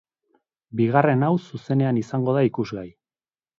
Bigarren hau zuzenean izango da ikusgai.